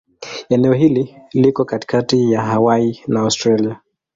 Eneo hili liko katikati ya Hawaii na Australia.